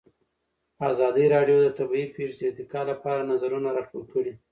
ازادي راډیو د طبیعي پېښې د ارتقا لپاره نظرونه راټول کړي.